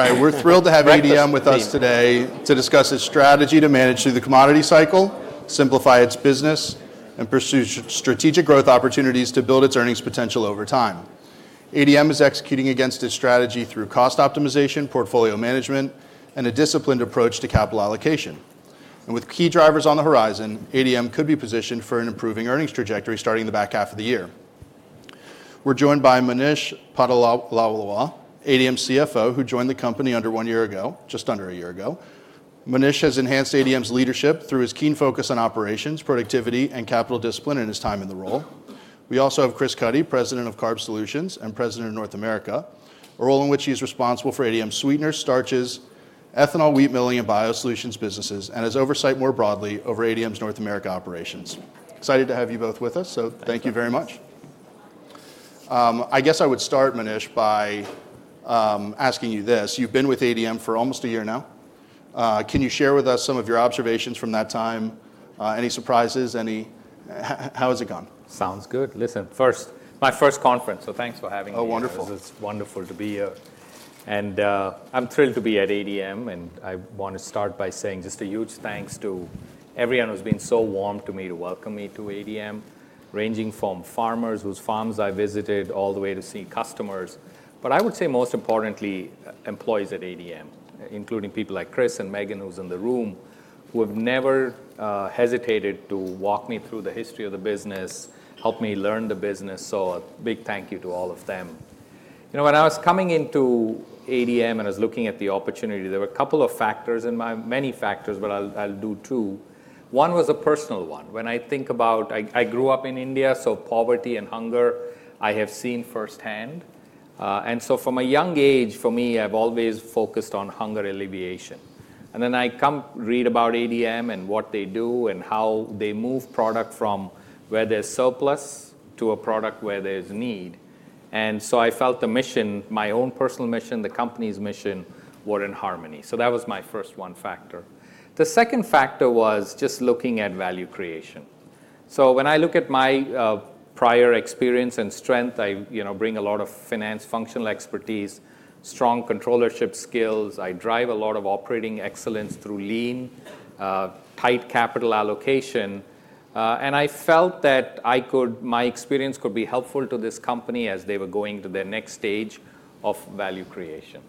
All right, we're thrilled to have ADM with us today to discuss its strategy to manage through the commodity cycle, simplify its business, and pursue strategic growth opportunities to build its earnings potential over time. ADM is executing against its strategy through cost optimization, portfolio management, and a disciplined approach to capital allocation. With key drivers on the horizon, ADM could be positioned for an improving earnings trajectory starting the back half of the year. We're joined by Monish Patolawala, ADM's CFO, who joined the company just under a year ago. Monish has enhanced ADM's leadership through his keen focus on operations, productivity, and capital discipline in his time in the role. We also have Chris Cuddy, President of Carbohydrate Solutions and President of North America, a role in which he's responsible for ADM's sweeteners, starches, ethanol, wheat milling, and BioSolutions businesses, and his oversight more broadly over ADM's North America operations. Excited to have you both with us, so thank you very much. I guess I would start, Monish, by asking you this: you've been with ADM for almost a year now. Can you share with us some of your observations from that time? Any surprises? How has it gone? Sounds good. Listen, first, my first conference, so thanks for having me. Oh, wonderful. It's wonderful to be here. I'm thrilled to be at ADM, and I want to start by saying just a huge thanks to everyone who's been so warm to me to welcome me to ADM, ranging from farmers whose farms I visited all the way to seeing customers. I would say, most importantly, employees at ADM, including people like Chris and Megan, who's in the room, who have never hesitated to walk me through the history of the business, help me learn the business. A big thank you to all of them. You know, when I was coming into ADM and I was looking at the opportunity, there were a couple of factors, and many factors, but I'll do two. One was a personal one. When I think about, I grew up in India, so poverty and hunger I have seen firsthand. From a young age, for me, I've always focused on hunger alleviation. I come read about ADM and what they do and how they move product from where there's surplus to a product where there's need. I felt the mission, my own personal mission, the company's mission were in harmony. That was my first one factor. The second factor was just looking at value creation. When I look at my prior experience and strength, I bring a lot of finance functional expertise, strong controllership skills. I drive a lot of operating excellence through lean, tight capital allocation. I felt that my experience could be helpful to this company as they were going to their next stage of value creation.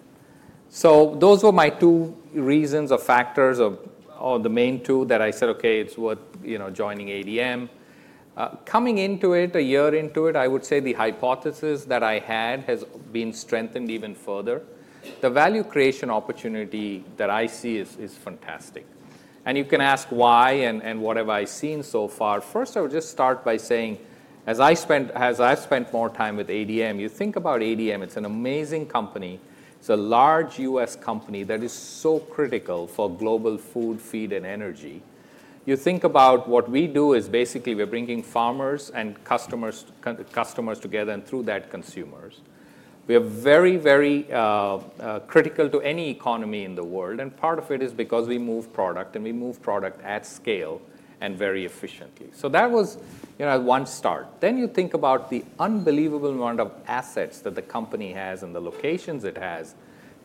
Those were my two reasons or factors or the main two that I said, "Okay, it's worth joining ADM." Coming into it, a year into it, I would say the hypothesis that I had has been strengthened even further. The value creation opportunity that I see is fantastic. You can ask why and what have I seen so far. First, I would just start by saying, as I've spent more time with ADM, you think about ADM, it's an amazing company. It's a large U.S. company that is so critical for global food, feed, and energy. You think about what we do is basically we're bringing farmers and customers together and through that consumers. We are very, very critical to any economy in the world. Part of it is because we move product and we move product at scale and very efficiently. That was one start. You think about the unbelievable amount of assets that the company has and the locations it has,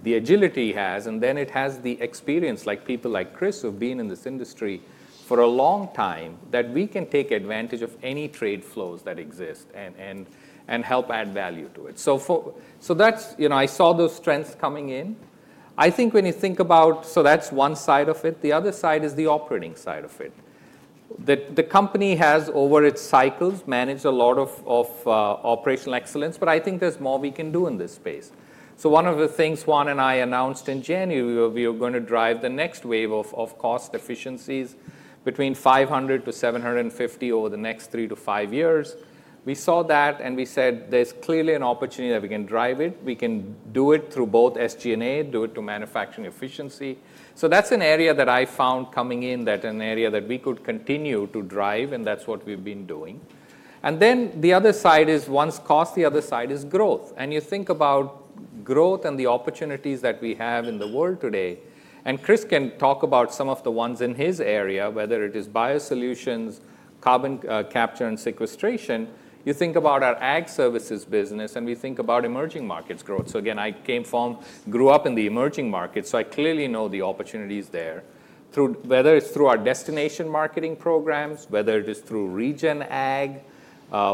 the agility it has, and then it has the experience, like people like Chris, who've been in this industry for a long time, that we can take advantage of any trade flows that exist and help add value to it. I saw those strengths coming in. I think when you think about, so that's one side of it. The other side is the operating side of it. The company has, over its cycles, managed a lot of operational excellence, but I think there's more we can do in this space. One of the things Juan and I announced in January, we are going to drive the next wave of cost efficiencies between $500 million-$750 million over the next three to five years. We saw that and we said there's clearly an opportunity that we can drive it. We can do it through both SG&A, do it through manufacturing efficiency. That's an area that I found coming in, an area that we could continue to drive, and that's what we've been doing. The other side is, once cost, the other side is growth. You think about growth and the opportunities that we have in the world today. Chris can talk about some of the ones in his area, whether it is BioSolutions, carbon capture and sequestration. You think about our ag services business and we think about emerging markets growth. Again, I came from, grew up in the emerging markets, so I clearly know the opportunities there, whether it's through our destination marketing programs, whether it is through region ag,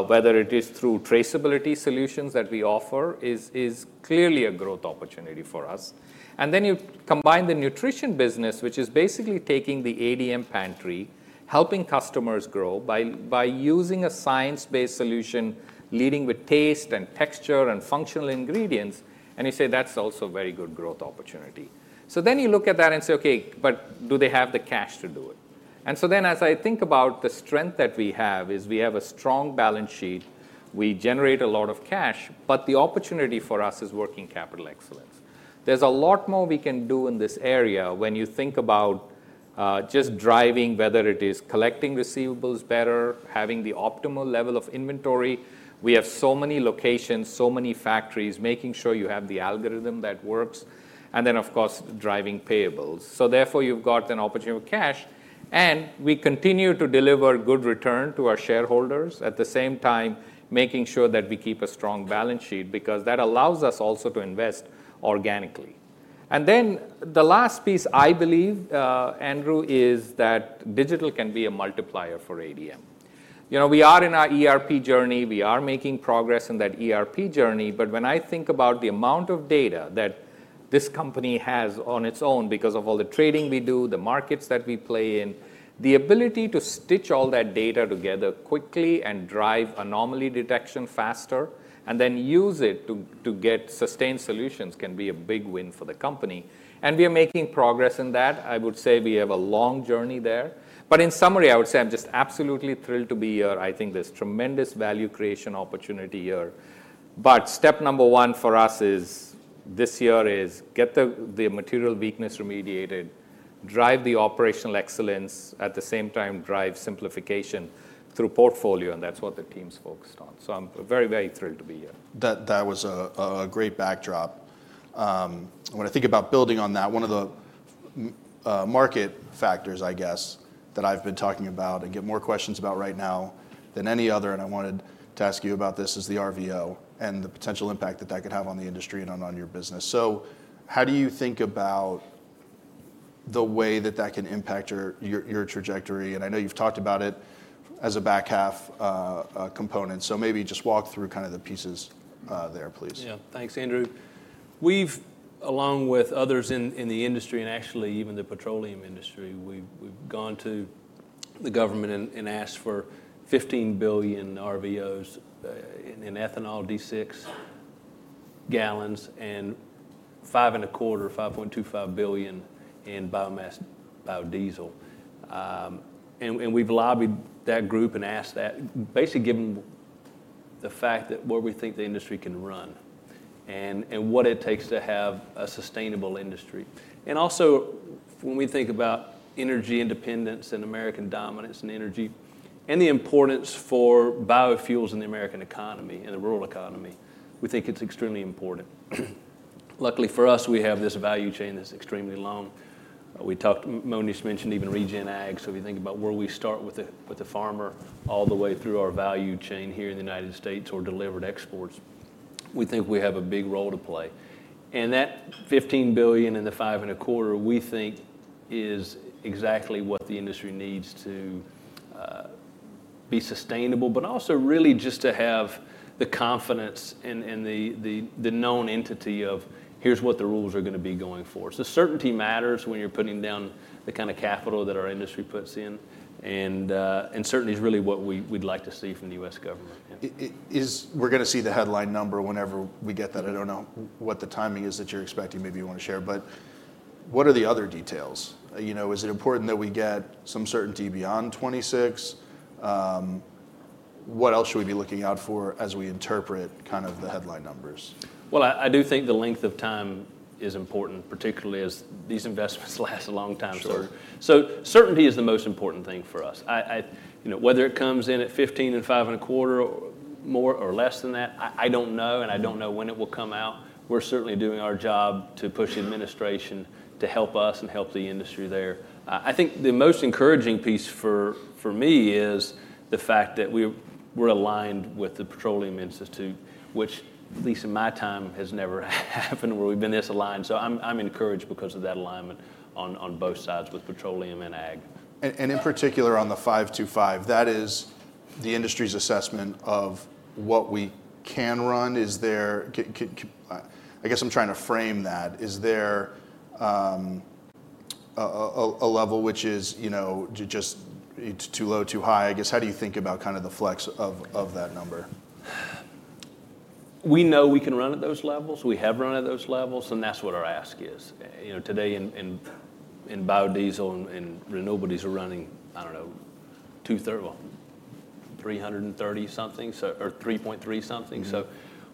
whether it is through traceability solutions that we offer, is clearly a growth opportunity for us. You combine the nutrition business, which is basically taking the ADM pantry, helping customers grow by using a science-based solution, leading with taste and texture and functional ingredients. You say that's also a very good growth opportunity. You look at that and say, "Okay, but do they have the cash to do it?" As I think about the strength that we have, we have a strong balance sheet, we generate a lot of cash, but the opportunity for us is working capital excellence. There's a lot more we can do in this area when you think about just driving, whether it is collecting receivables better, having the optimal level of inventory. We have so many locations, so many factories, making sure you have the algorithm that works then of course, driving payables. Therefore you have got an opportunity of cash. We continue to deliver good return to our shareholders at the same time, making sure that we keep a strong balance sheet because that allows us also to invest organically. The last piece I believe, Andrew, is that digital can be a multiplier for ADM. We are in our ERP journey. We are making progress in that ERP journey. When I think about the amount of data that this company has on its own because of all the trading we do, the markets that we play in, the ability to stitch all that data together quickly and drive anomaly detection faster and then use it to get sustained solutions can be a big win for the company. We are making progress in that. I would say we have a long journey there. In summary, I would say I'm just absolutely thrilled to be here. I think there's tremendous value creation opportunity here. Step number one for us this year is get the material weakness remediated, drive the operational excellence, at the same time drive simplification through portfolio, and that's what the team's focused on. I'm very, very thrilled to be here. That was a great backdrop. When I think about building on that, one of the market factors, I guess, that I've been talking about and get more questions about right now than any other, and I wanted to ask you about this, is the RVO and the potential impact that that could have on the industry and on your business. How do you think about the way that that can impact your trajectory? I know you've talked about it as a back half component. Maybe just walk through kind of the pieces there, please. Yeah, thanks, Andrew. We've, along with others in the industry and actually even the petroleum industry, we've gone to the government and asked for 15 billion RVOs in ethanol, D6 gallons, and five and a quarter, 5.25 billion in biomass, biodiesel. We've lobbied that group and asked that, basically given the fact that where we think the industry can run and what it takes to have a sustainable industry. Also, when we think about energy independence and American dominance in energy and the importance for biofuels in the American economy and the rural economy, we think it's extremely important. Luckily for us, we have this value chain that's extremely long. Monish mentioned even regen ag. If you think about where we start with the farmer all the way through our value chain here in the U.S. or delivered exports, we think we have a big role to play. That $15 billion and the $5.25 billion, we think is exactly what the industry needs to be sustainable, but also really just to have the confidence and the known entity of, here is what the rules are going to be going forward. Certainty matters when you are putting down the kind of capital that our industry puts in. Certainty is really what we would like to see from the U.S. government. We're going to see the headline number whenever we get that. I don't know what the timing is that you're expecting, maybe you want to share. What are the other details? Is it important that we get some certainty beyond 2026? What else should we be looking out for as we interpret kind of the headline numbers? I do think the length of time is important, particularly as these investments last a long time. Certainty is the most important thing for us. Whether it comes in at fifteen and five and a quarter, more or less than that, I do not know. I do not know when it will come out. We are certainly doing our job to push administration to help us and help the industry there. I think the most encouraging piece for me is the fact that we are aligned with the Petroleum Institute, which at least in my time has never happened where we have been this aligned. I am encouraged because of that alignment on both sides with petroleum and ag. In particular on the 5.25, that is the industry's assessment of what we can run. I guess I'm trying to frame that. Is there a level which is just too low, too high? I guess, how do you think about kind of the flex of that number? We know we can run at those levels. We have run at those levels. That is what our ask is. Today in biodiesel and renewables, these are running, I do not know, two thirds, 330 something or 3.3 something.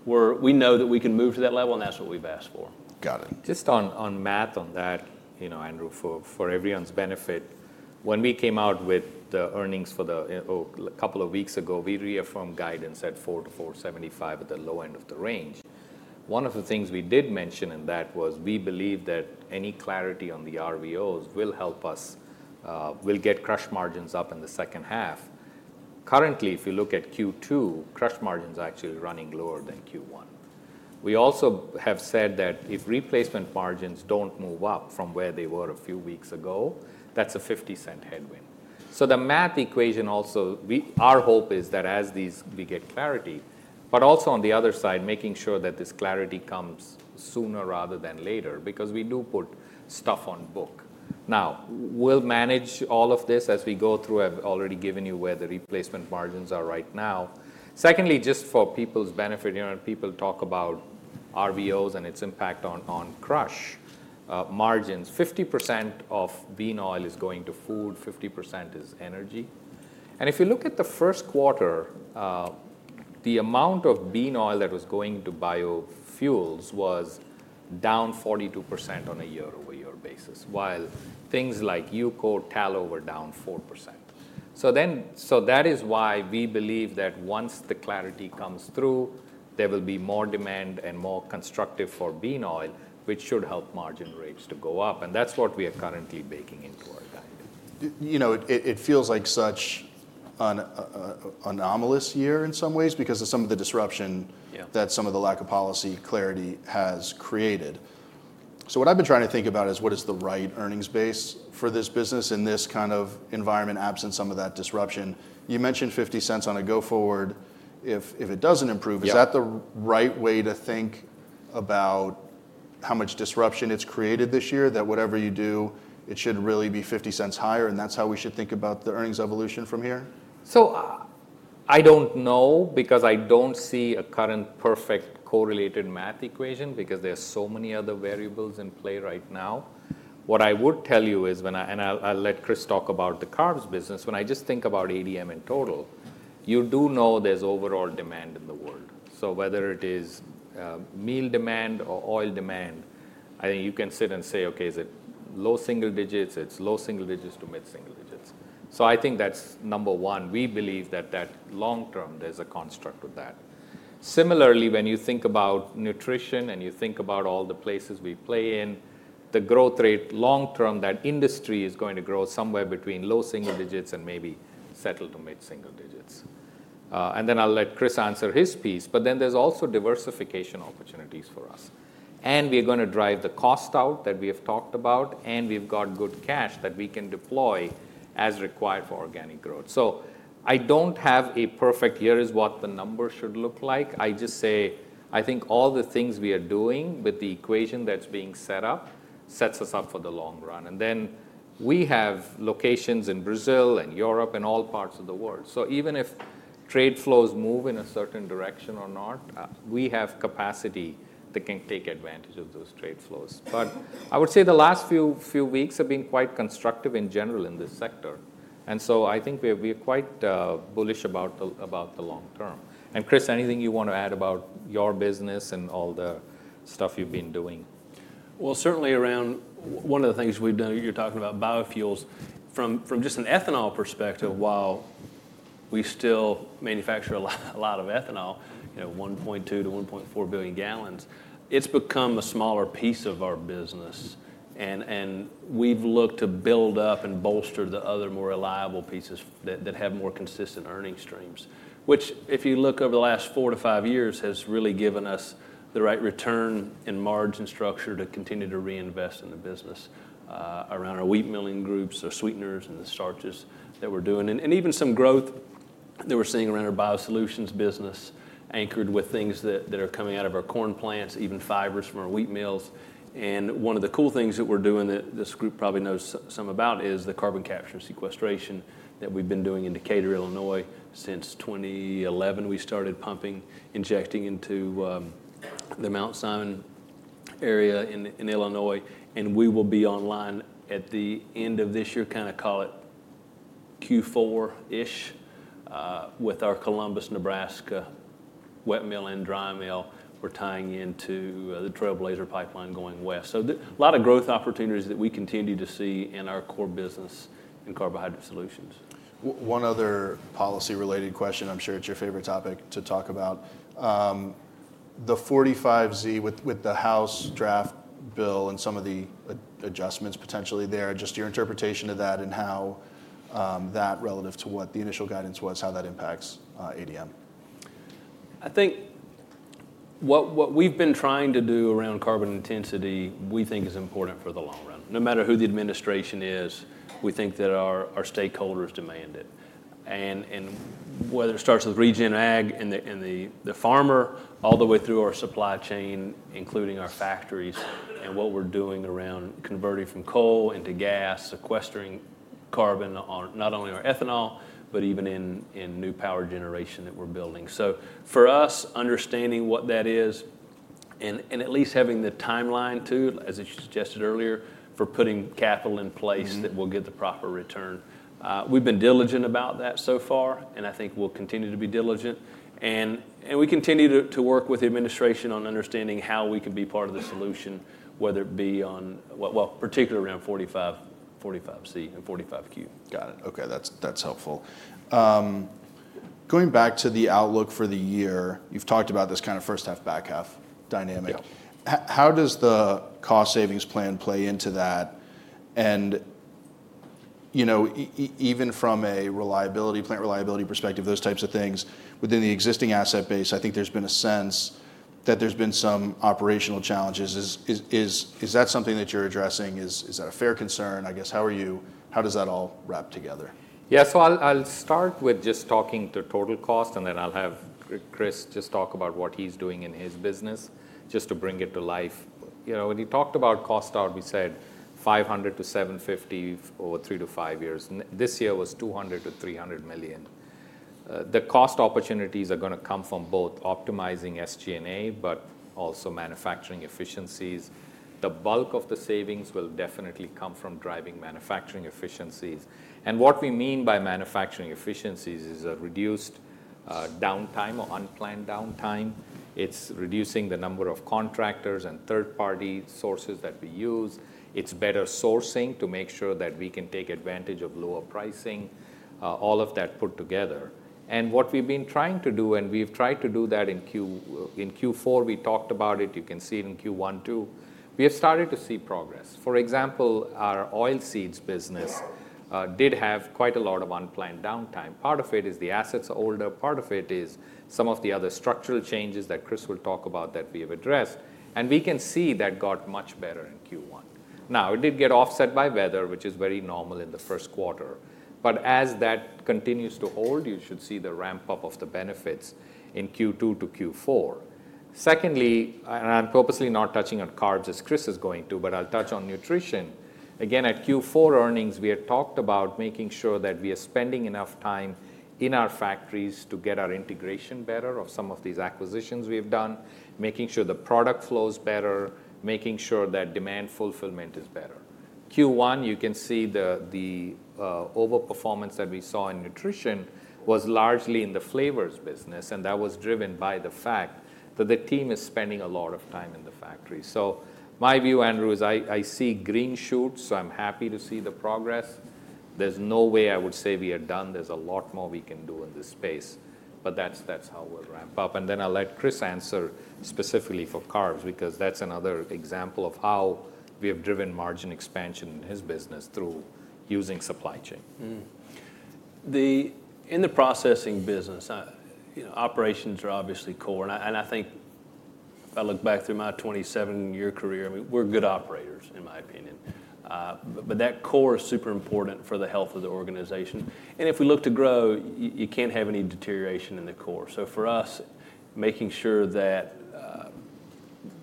We know that we can move to that level and that is what we have asked for. Got it. Just on math on that, Andrew, for everyone's benefit, when we came out with the earnings a couple of weeks ago, we reaffirmed guidance at $4-$4.75 at the low end of the range. One of the things we did mention in that was we believe that any clarity on the RVOs will help us, will get crush margins up in the second half. Currently, if you look at Q2, crush margins are actually running lower than Q1. We also have said that if replacement margins do not move up from where they were a few weeks ago, that's a $0.50 headwind. The math equation also, our hope is that as we get clarity, but also on the other side, making sure that this clarity comes sooner rather than later because we do put stuff on book. Now, we'll manage all of this as we go through. I've already given you where the replacement margins are right now. Secondly, just for people's benefit, people talk about RVOs and its impact on crush margins. 50% of bean oil is going to food, 50% is energy. If you look at the first quarter, the amount of bean oil that was going to biofuels was down 42% on a year-over-year basis, while things like UCO, tallow were down 4%. That is why we believe that once the clarity comes through, there will be more demand and more constructive for bean oil, which should help margin rates to go up. That's what we are currently baking into our guide. It feels like such an anomalous year in some ways because of some of the disruption that some of the lack of policy clarity has created. What I've been trying to think about is what is the right earnings base for this business in this kind of environment absent some of that disruption. You mentioned $0.50 on a go-forward if it does not improve. Is that the right way to think about how much disruption it has created this year, that whatever you do, it should really be $0.50 higher? That is how we should think about the earnings evolution from here? I don't know because I don't see a current perfect correlated math equation because there are so many other variables in play right now. What I would tell you is, and I'll let Chris talk about the carbs business, when I just think about ADM in total, you do know there's overall demand in the world. Whether it is meal demand or oil demand, I think you can sit and say, okay, is it low single digits? It's low single digits to mid-single digits. I think that's number one. We believe that long term, there's a construct with that. Similarly, when you think about nutrition and you think about all the places we play in, the growth rate long term, that industry is going to grow somewhere between low single digits and maybe settle to mid-single digits. I'll let Chris answer his piece. There are also diversification opportunities for us. We are going to drive the cost out that we have talked about, and we have good cash that we can deploy as required for organic growth. I do not have a perfect year as what the number should look like. I just say, I think all the things we are doing with the equation that is being set up sets us up for the long run. We have locations in Brazil and Europe and all parts of the world. Even if trade flows move in a certain direction or not, we have capacity that can take advantage of those trade flows. I would say the last few weeks have been quite constructive in general in this sector. I think we are quite bullish about the long term. Chris, anything you want to add about your business and all the stuff you've been doing? Certainly, around one of the things we've done, you're talking about biofuels. From just an ethanol perspective, while we still manufacture a lot of ethanol, 1.2-1.4 billion gallons, it's become a smaller piece of our business. We've looked to build up and bolster the other more reliable pieces that have more consistent earnings streams, which if you look over the last four to five years has really given us the right return and margin structure to continue to reinvest in the business around our wheat milling groups, our sweeteners and the starches that we're doing. Even some growth that we're seeing around our BioSolutions business anchored with things that are coming out of our corn plants, even fibers from our wheat mills. One of the cool things that we're doing that this group probably knows some about is the carbon capture and sequestration that we've been doing in Decatur, Illinois since 2011. We started pumping, injecting into the Mount Simon area in Illinois. We will be online at the end of this year, kind of call it Q4-ish with our Columbus, Nebraska wet mill and dry mill. We're tying into the Trailblazer pipeline going west. A lot of growth opportunities that we continue to see in our core business in Carbohydrate Solutions. One other policy-related question. I'm sure it's your favorite topic to talk about. The 45Z with the House draft bill and some of the adjustments potentially there, just your interpretation of that and how that relative to what the initial guidance was, how that impacts ADM? I think what we've been trying to do around carbon intensity, we think is important for the long run. No matter who the administration is, we think that our stakeholders demand it. Whether it starts with region ag and the farmer all the way through our supply chain, including our factories and what we're doing around converting from coal into gas, sequestering carbon on not only our ethanol, but even in new power generation that we're building. For us, understanding what that is and at least having the timeline too, as you suggested earlier, for putting capital in place that will get the proper return. We've been diligent about that so far, and I think we'll continue to be diligent. We continue to work with the administration on understanding how we can be part of the solution, whether it be on, well, particularly around 45Z and 45Q. Got it. Okay, that's helpful. Going back to the outlook for the year, you've talked about this kind of first half, back half dynamic. How does the cost savings plan play into that? Even from a reliability, plant reliability perspective, those types of things within the existing asset base, I think there's been a sense that there's been some operational challenges. Is that something that you're addressing? Is that a fair concern? I guess, how does that all wrap together? Yeah, so I'll start with just talking to total cost, and then I'll have Chris just talk about what he's doing in his business just to bring it to life. When he talked about cost out, we said $500 million-$750 million over three to five years. This year was $200 million-$300 million. The cost opportunities are going to come from both optimizing SG&A, but also manufacturing efficiencies. The bulk of the savings will definitely come from driving manufacturing efficiencies. What we mean by manufacturing efficiencies is a reduced downtime or unplanned downtime. It's reducing the number of contractors and third-party sources that we use. It's better sourcing to make sure that we can take advantage of lower pricing, all of that put together. What we've been trying to do, and we've tried to do that in Q4, we talked about it. You can see it in Q1 too. We have started to see progress. For example, our oilseeds business did have quite a lot of unplanned downtime. Part of it is the assets are older. Part of it is some of the other structural changes that Chris will talk about that we have addressed. We can see that got much better in Q1. It did get offset by weather, which is very normal in the first quarter. As that continues to hold, you should see the ramp up of the benefits in Q2 to Q4. Secondly, and I'm purposely not touching on carbs as Chris is going to, but I'll touch on nutrition. Again, at Q4 earnings, we had talked about making sure that we are spending enough time in our factories to get our integration better of some of these acquisitions we have done, making sure the product flows better, making sure that demand fulfillment is better. Q1, you can see the overperformance that we saw in Nutrition was largely in the Flavors business. That was driven by the fact that the team is spending a lot of time in the factory. My view, Andrew, is I see green shoots, so I'm happy to see the progress. There's no way I would say we are done. There's a lot more we can do in this space, but that's how we'll ramp up. I'll let Chris answer specifically for Carbs because that's another example of how we have driven margin expansion in his business through using supply chain. In the processing business, operations are obviously core. I think if I look back through my 27-year career, we're good operators, in my opinion. That core is super important for the health of the organization. If we look to grow, you can't have any deterioration in the core. For us, making sure that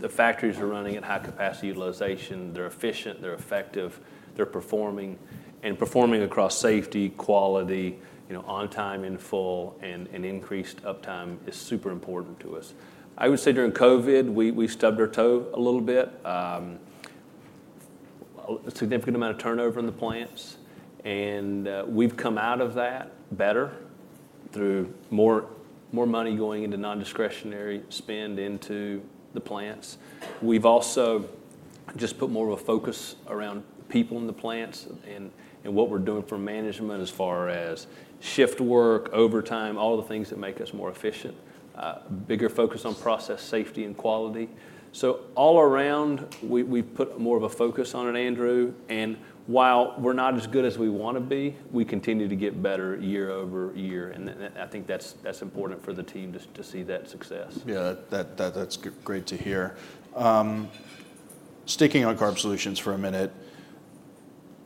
the factories are running at high-capacity utilization, they're efficient, they're effective, they're performing, and performing across safety, quality, on time in full, and increased uptime is super important to us. I would say during COVID, we stubbed our toe a little bit, a significant amount of turnover in the plants. We've come out of that better through more money going into non-discretionary spend into the plants. We've also just put more of a focus around people in the plants and what we're doing for management as far as shift work, overtime, all the things that make us more efficient, bigger focus on process safety and quality. All around, we put more of a focus on it, Andrew. While we're not as good as we want to be, we continue to get better year over year. I think that's important for the team to see that success. Yeah, that's great to hear. Sticking on carb solutions for a minute,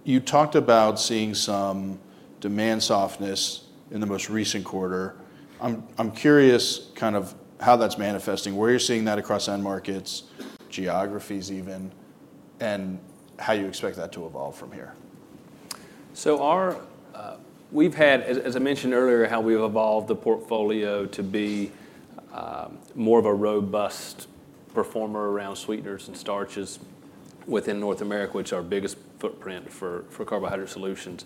you talked about seeing some demand softness in the most recent quarter. I'm curious kind of how that's manifesting, where you're seeing that across end markets, geographies even, and how you expect that to evolve from here. We have had, as I mentioned earlier, how we have evolved the portfolio to be more of a robust performer around sweeteners and starches within North America, which is our biggest footprint for carbohydrate solutions.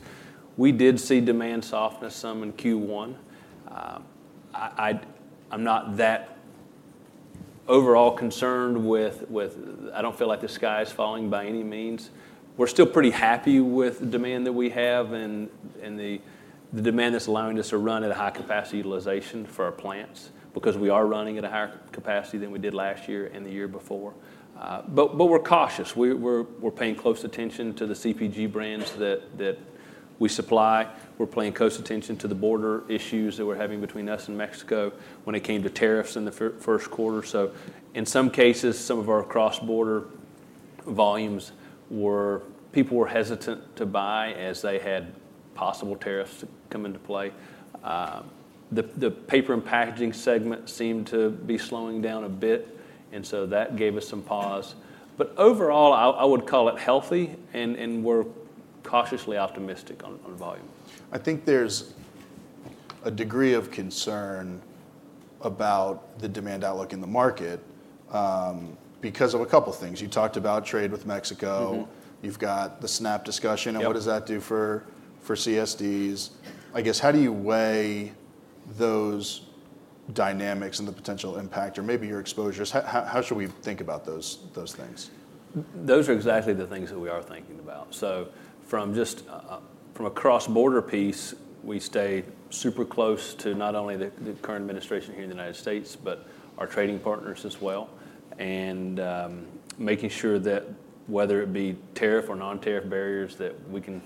We did see demand softness some in Q1. I am not that overall concerned with; I do not feel like the sky is falling by any means. We are still pretty happy with the demand that we have and the demand that is allowing us to run at a high-capacity utilization for our plants because we are running at a higher capacity than we did last year and the year before. We are cautious. We are paying close attention to the CPG brands that we supply. We are paying close attention to the border issues that we are having between us and Mexico when it came to tariffs in the first quarter. In some cases, some of our cross-border volumes, people were hesitant to buy as they had possible tariffs to come into play. The paper and packaging segment seemed to be slowing down a bit. That gave us some pause. Overall, I would call it healthy, and we're cautiously optimistic on volume. I think there's a degree of concern about the demand outlook in the market because of a couple of things. You talked about trade with Mexico. You've got the SNAP discussion. What does that do for CSDs? I guess, how do you weigh those dynamics and the potential impact or maybe your exposures? How should we think about those things? Those are exactly the things that we are thinking about. From just from a cross-border piece, we stay super close to not only the current administration here in the U.S., but our trading partners as well. Making sure that whether it be tariff or non-tariff barriers, we can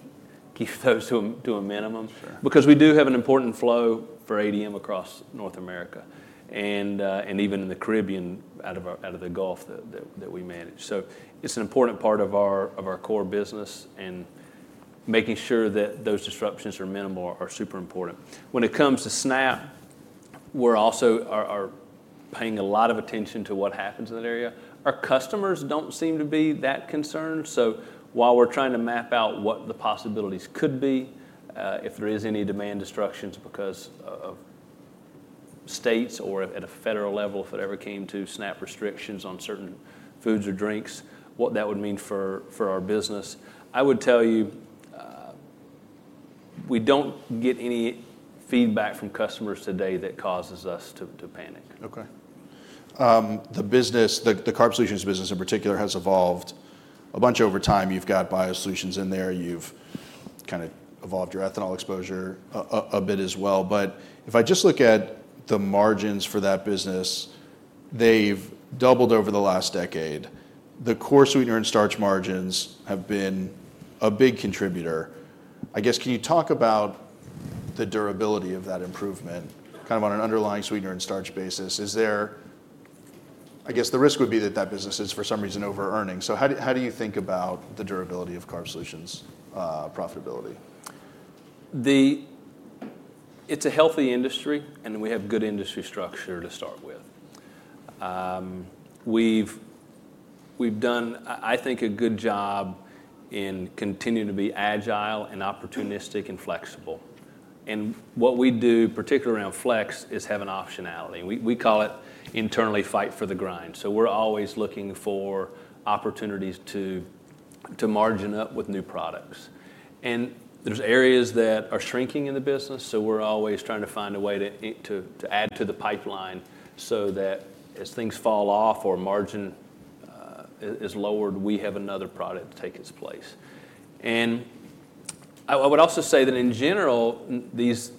keep those to a minimum because we do have an important flow for ADM across North America and even in the Caribbean out of the Gulf that we manage. It is an important part of our core business. Making sure that those disruptions are minimal is super important. When it comes to SNAP, we are also paying a lot of attention to what happens in that area. Our customers do not seem to be that concerned. While we're trying to map out what the possibilities could be, if there is any demand disruptions because of states or at a federal level, if it ever came to SNAP restrictions on certain foods or drinks, what that would mean for our business. I would tell you we don't get any feedback from customers today that causes us to panic. Okay. The carb solutions business in particular has evolved a bunch over time. You've got BioSolutions in there. You've kind of evolved your ethanol exposure a bit as well. If I just look at the margins for that business, they've doubled over the last decade. The core sweetener and starch margins have been a big contributor. I guess, can you talk about the durability of that improvement kind of on an underlying sweetener and starch basis? I guess the risk would be that that business is for some reason over-earning. How do you think about the durability of carb solutions profitability? It's a healthy industry, and we have good industry structure to start with. We've done, I think, a good job in continuing to be agile and opportunistic and flexible. What we do, particularly around flex, is have an optionality. We call it internally fight for the grind. We're always looking for opportunities to margin up with new products. There's areas that are shrinking in the business. We're always trying to find a way to add to the pipeline so that as things fall off or margin is lowered, we have another product to take its place. I would also say that in general, these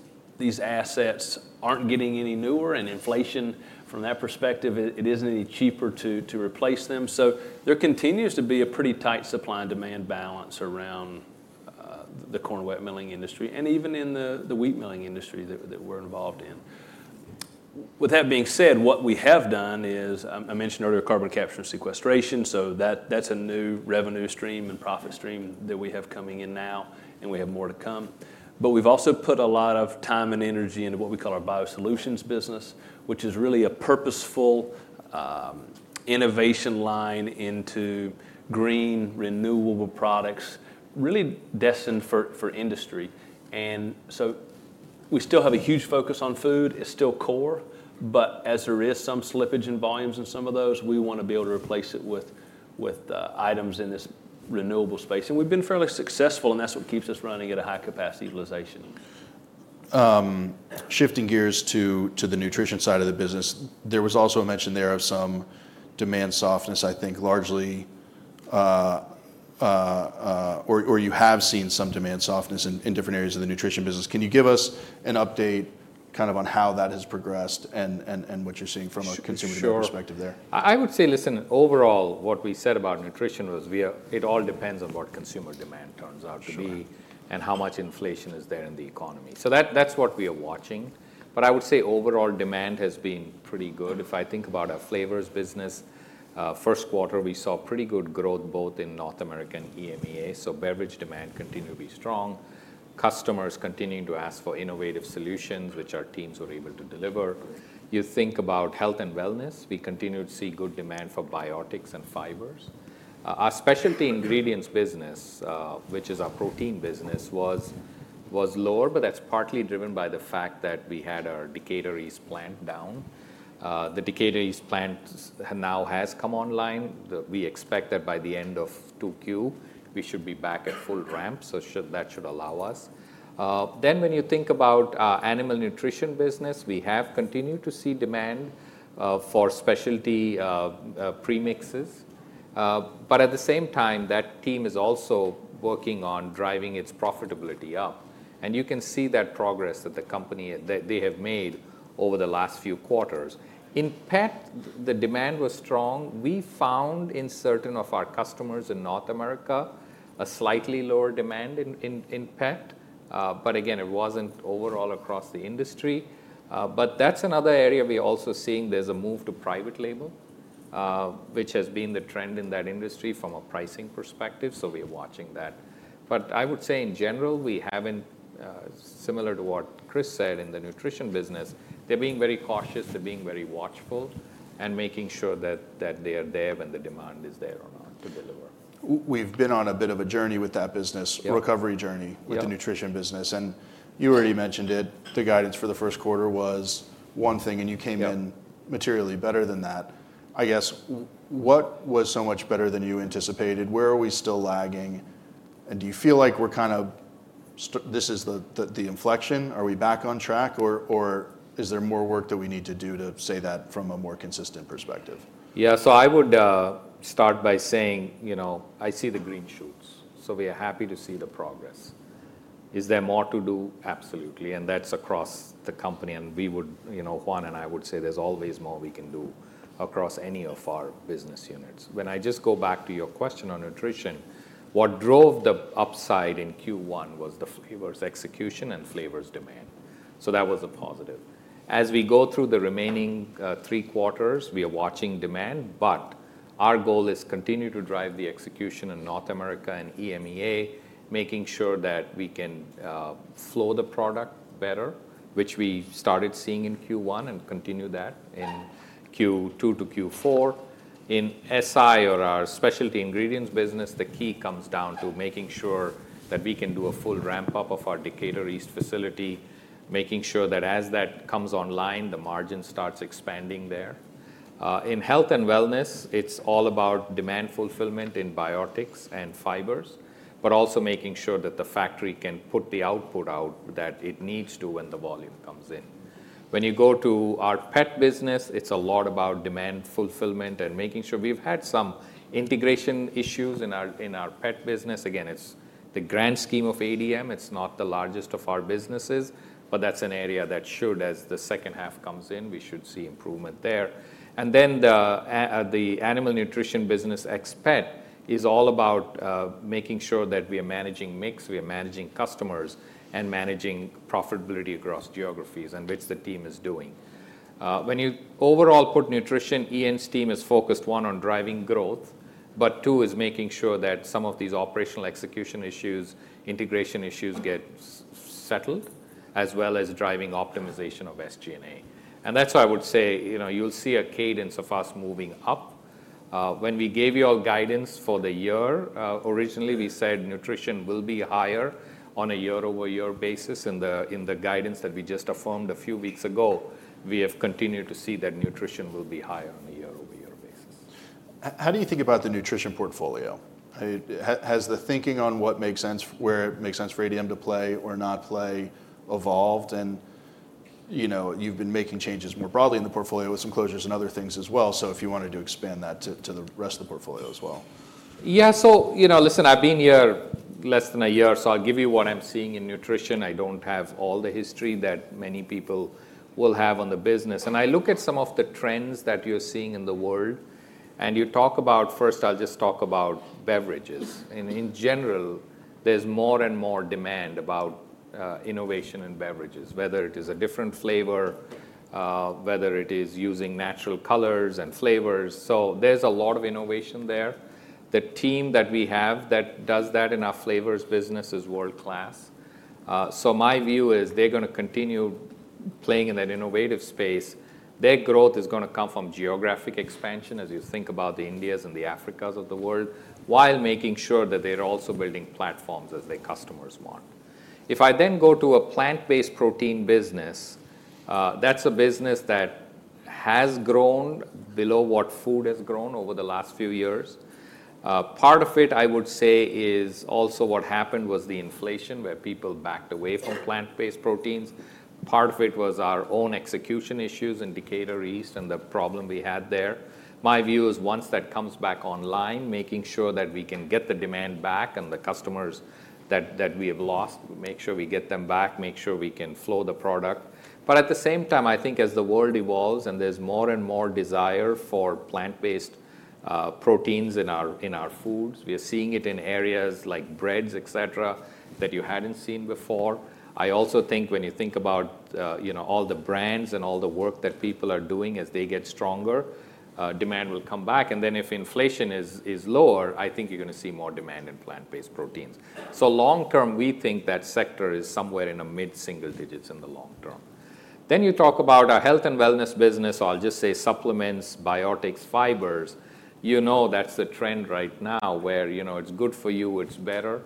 assets aren't getting any newer. Inflation from that perspective, it isn't any cheaper to replace them. There continues to be a pretty tight supply and demand balance around the corn wet milling industry and even in the wheat milling industry that we are involved in. With that being said, what we have done is I mentioned earlier carbon capture and sequestration. That is a new revenue stream and profit stream that we have coming in now, and we have more to come. We have also put a lot of time and energy into what we call our Biosolutions business, which is really a purposeful innovation line into green renewable products really destined for industry. We still have a huge focus on food. It is still core. As there is some slippage in volumes in some of those, we want to be able to replace it with items in this renewable space. We have been fairly successful, and that is what keeps us running at a high-capacity utilization. Shifting gears to the nutrition side of the business, there was also a mention there of some demand softness, I think largely, or you have seen some demand softness in different areas of the nutrition business. Can you give us an update kind of on how that has progressed and what you're seeing from a consumer demand perspective there? Sure. I would say, listen, overall, what we said about nutrition was it all depends on what consumer demand turns out to be and how much inflation is there in the economy. That is what we are watching. I would say overall demand has been pretty good. If I think about our flavors business, first quarter, we saw pretty good growth both in North America and EMEA. Beverage demand continued to be strong. Customers continuing to ask for innovative solutions, which our teams were able to deliver. You think about health and wellness, we continue to see good demand for biotics and fibers. Our specialty ingredients business, which is our protein business, was lower, but that is partly driven by the fact that we had our Decatur East plant down. The Decatur East plant now has come online. We expect that by the end of Q2, we should be back at full ramp. That should allow us. When you think about our animal nutrition business, we have continued to see demand for specialty premixes. At the same time, that team is also working on driving its profitability up. You can see that progress that the company has made over the last few quarters. In PET, the demand was strong. We found in certain of our customers in North America a slightly lower demand in PET. It was not overall across the industry. That is another area we are also seeing there is a move to private label, which has been the trend in that industry from a pricing perspective. We are watching that. I would say in general, we haven't, similar to what Chris said in the nutrition business, they're being very cautious. They're being very watchful and making sure that they are there when the demand is there or not to deliver. We've been on a bit of a journey with that business, recovery journey with the Nutrition business. You already mentioned it. The guidance for the first quarter was one thing, and you came in materially better than that. I guess, what was so much better than you anticipated? Where are we still lagging? Do you feel like we're kind of, this is the inflection? Are we back on track, or is there more work that we need to do to say that from a more consistent perspective? Yeah. I would start by saying, I see the green shoots. We are happy to see the progress. Is there more to do? Absolutely. That is across the company. Juan and I would say there is always more we can do across any of our business units. When I just go back to your question on nutrition, what drove the upside in Q1 was the flavors execution and flavors demand. That was a positive. As we go through the remaining three quarters, we are watching demand. Our goal is to continue to drive the execution in North America and EMEA, making sure that we can flow the product better, which we started seeing in Q1 and continue that in Q2 to Q4. In SI, or our specialty ingredients business, the key comes down to making sure that we can do a full ramp-up of our Decatur East facility, making sure that as that comes online, the margin starts expanding there. In health and wellness, it's all about demand fulfillment in biotics and fibers, but also making sure that the factory can put the output out that it needs to when the volume comes in. When you go to our Pet business, it's a lot about demand fulfillment and making sure we've had some integration issues in our Pet business. Again, it's the grand scheme of ADM. It's not the largest of our businesses, but that's an area that should, as the second half comes in, we should see improvement there. The animal nutrition business, Ex-Pet, is all about making sure that we are managing mix, we are managing customers, and managing profitability across geographies, which the team is doing. When you overall put nutrition, Ian's team is focused, one, on driving growth, but two, is making sure that some of these operational execution issues, integration issues get settled, as well as driving optimization of SG&A. That is why I would say you'll see a cadence of us moving up. When we gave you all guidance for the year, originally, we said nutrition will be higher on a year-over-year basis. In the guidance that we just affirmed a few weeks ago, we have continued to see that nutrition will be higher on a year-over-year basis. How do you think about the Nutrition portfolio? Has the thinking on what makes sense for ADM to play or not play evolved? You've been making changes more broadly in the portfolio with some closures and other things as well. If you wanted to expand that to the rest of the portfolio as well. Yeah. Listen, I've been here less than a year. I'll give you what I'm seeing in Nutrition. I don't have all the history that many people will have on the business. I look at some of the trends that you're seeing in the world. You talk about, first, I'll just talk about beverages. In general, there's more and more demand for innovation in beverages, whether it is a different flavor, whether it is using natural colors and flavors. There's a lot of innovation there. The team that we have that does that in our Flavors business is world-class. My view is they're going to continue playing in that innovative space. Their growth is going to come from geographic expansion, as you think about the Indias and the Africas of the world, while making sure that they're also building platforms as their customers want. If I then go to a Plant-based protein business, that's a business that has grown below what food has grown over the last few years. Part of it, I would say, is also what happened was the inflation where people backed away from plant-based proteins. Part of it was our own execution issues in Decatur East and the problem we had there. My view is once that comes back online, making sure that we can get the demand back and the customers that we have lost, make sure we get them back, make sure we can flow the product. At the same time, I think as the world evolves and there's more and more desire for plant-based proteins in our foods, we are seeing it in areas like breads, et cetera, that you hadn't seen before. I also think when you think about all the brands and all the work that people are doing, as they get stronger, demand will come back. If inflation is lower, I think you're going to see more demand in plant-based proteins. Long term, we think that sector is somewhere in the mid-single digits in the long term. You talk about our health and wellness business, I'll just say supplements, biotics, fibers. You know that's the trend right now where it's good for you, it's better.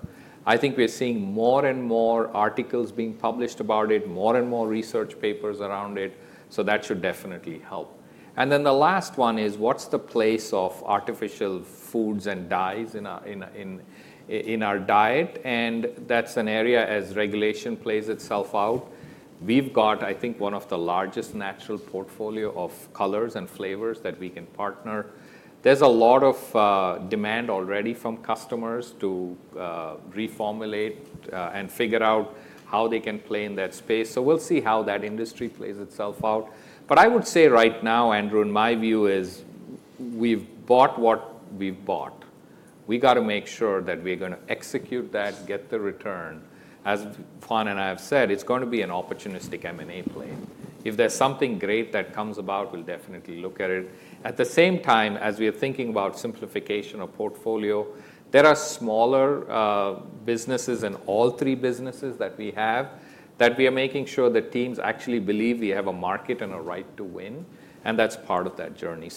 I think we're seeing more and more articles being published about it, more and more research papers around it. That should definitely help. The last one is what's the place of artificial foods and dyes in our diet? That's an area as regulation plays itself out. We've got, I think, one of the largest natural portfolios of colors and flavors that we can partner. There's a lot of demand already from customers to reformulate and figure out how they can play in that space. We will see how that industry plays itself out. I would say right now, Andrew, in my view, is we've bought what we've bought. We got to make sure that we're going to execute that, get the return. As Juan and I have said, it's going to be an opportunistic M&A play. If there's something great that comes about, we'll definitely look at it. At the same time, as we are thinking about simplification of portfolio, there are smaller businesses in all three businesses that we have that we are making sure the teams actually believe we have a market and a right to win. That's part of that journey.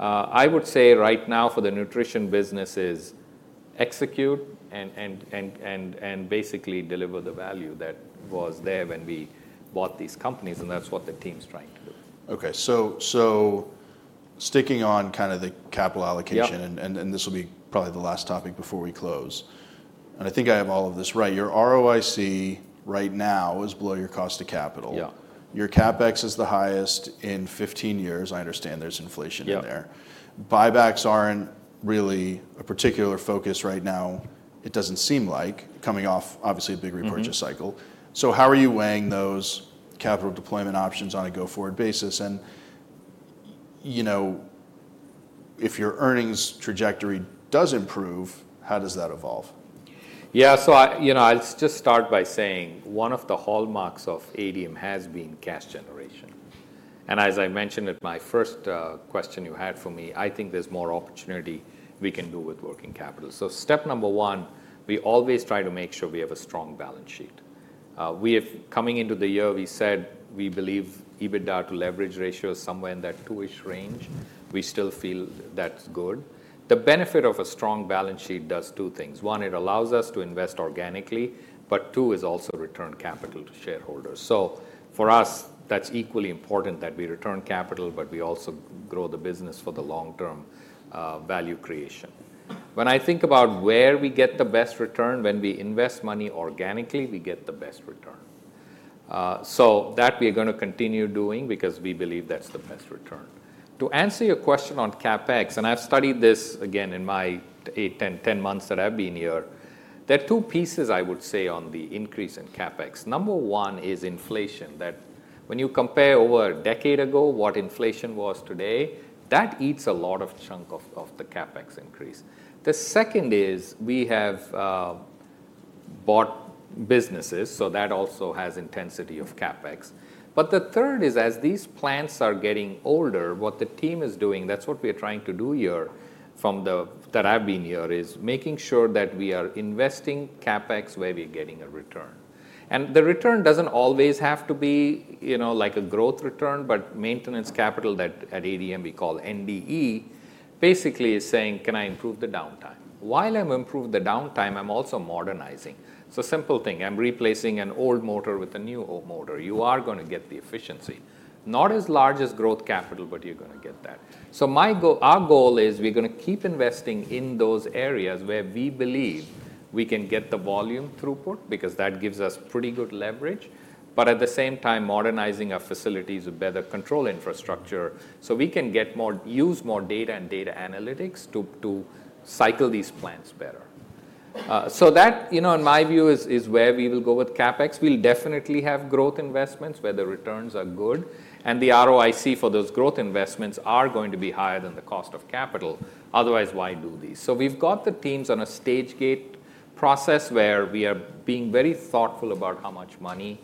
I would say right now for the nutrition businesses, execute and basically deliver the value that was there when we bought these companies. That's what the team's trying to do. Okay. So sticking on kind of the capital allocation, and this will be probably the last topic before we close. And I think I have all of this right. Your ROIC right now is below your cost of capital. Your CapEx is the highest in 15 years. I understand there's inflation in there. Buybacks aren't really a particular focus right now, it doesn't seem like, coming off obviously a big repurchase cycle. So how are you weighing those capital deployment options on a go-forward basis? And if your earnings trajectory does improve, how does that evolve? Yeah. I'll just start by saying one of the hallmarks of ADM has been cash generation. As I mentioned at my first question you had for me, I think there's more opportunity we can do with working capital. Step number one, we always try to make sure we have a strong balance sheet. Coming into the year, we said we believe EBITDA to leverage ratio is somewhere in that two-ish range. We still feel that's good. The benefit of a strong balance sheet does two things. One, it allows us to invest organically. Two, it also returns capital to shareholders. For us, that's equally important that we return capital, but we also grow the business for the long-term value creation. When I think about where we get the best return, when we invest money organically, we get the best return. That we are going to continue doing because we believe that's the best return. To answer your question on CapEx, and I've studied this again in my 10 months that I've been here, there are two pieces I would say on the increase in CapEx. Number one is inflation. When you compare over a decade ago what inflation was today, that eats a lot of chunk of the CapEx increase. The second is we have bought businesses. That also has intensity of CapEx. The third is as these plants are getting older, what the team is doing, that's what we are trying to do here from the time that I've been here is making sure that we are investing CapEx where we are getting a return. The return does not always have to be like a growth return, but maintenance capital that at ADM we call NDE basically is saying, can I improve the downtime? While I have improved the downtime, I am also modernizing. Simple thing. I am replacing an old motor with a new motor. You are going to get the efficiency. Not as large as growth capital, but you are going to get that. Our goal is we are going to keep investing in those areas where we believe we can get the volume throughput because that gives us pretty good leverage. At the same time, modernizing our facilities to better control infrastructure so we can use more data and data analytics to cycle these plants better. That, in my view, is where we will go with CapEx. We will definitely have growth investments where the returns are good. The ROIC for those growth investments are going to be higher than the cost of capital. Otherwise, why do these? We have the teams on a stage gate process where we are being very thoughtful about how much money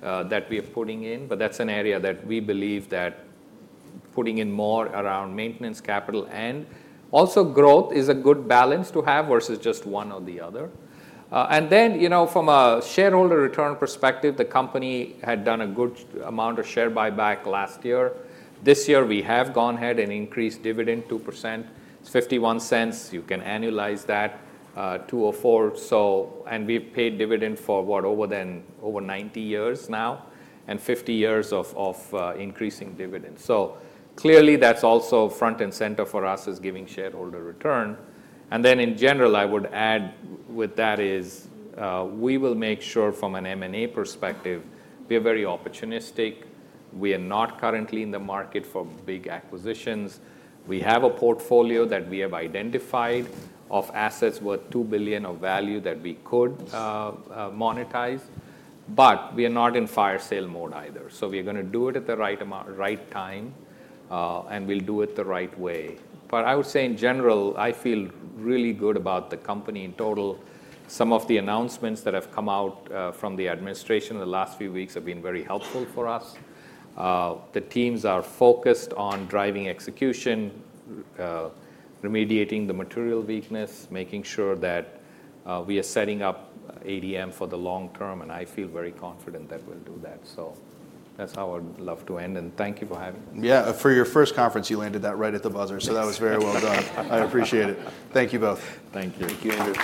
that we are putting in. That is an area that we believe that putting in more around maintenance capital and also growth is a good balance to have versus just one or the other. From a shareholder return perspective, the company had done a good amount of share buyback last year. This year, we have gone ahead and increased dividend 2%. It is $0.51. You can annualize that, $2.04. We have paid dividend for what, over 90 years now and 50 years of increasing dividend. Clearly, that is also front and center for us as giving shareholder return. In general, I would add with that is we will make sure from an M&A perspective, we are very opportunistic. We are not currently in the market for big acquisitions. We have a portfolio that we have identified of assets worth $2 billion of value that we could monetize. We are not in fire sale mode either. We are going to do it at the right time, and we'll do it the right way. I would say in general, I feel really good about the company in total. Some of the announcements that have come out from the administration in the last few weeks have been very helpful for us. The teams are focused on driving execution, remediating the material weakness, making sure that we are setting up ADM for the long term. I feel very confident that we'll do that. That's how I would love to end. Thank you for having me. Yeah. For your first conference, you landed that right at the buzzer. That was very well done. I appreciate it. Thank you both. Thank you. Thank you, Andrew.